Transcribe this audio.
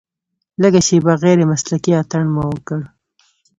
لږه شېبه غیر مسلکي اتڼ مو وکړ.